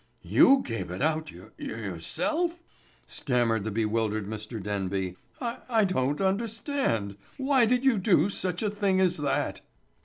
"You gave it out yourself," stammered the bewildered Mr. Denby. "I—I don't understand. Why did you do such a thing as that?"